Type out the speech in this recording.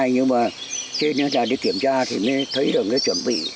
nhưng mà trên trà đi kiểm tra thì mới thấy được cái chuẩn bị